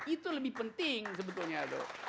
itu lebih penting sebetulnya